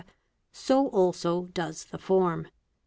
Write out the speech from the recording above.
so also i does the form.